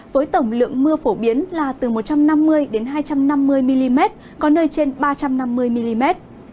với tổng lượng mưa phổ biến là từ một trăm năm mươi hai trăm năm mươi mm có nơi trên ba trăm năm mươi mm